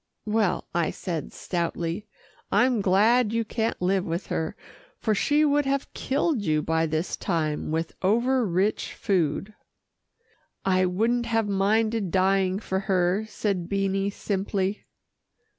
"Well," I said stoutly, "I'm glad you can't live with her, for she would have killed you by this time with over rich food." "I wouldn't have minded dying for her," said Beanie simply.